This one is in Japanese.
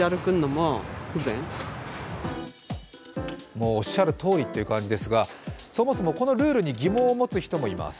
もう、おっしゃるとおりという感じですが、そもそもこのルールに疑問を持つ人もいます。